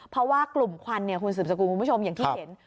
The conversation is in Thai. เพราะว่ากลุ่มควันเนี่ยคุณสืบสกุลคุณผู้ชมอย่างที่เห็น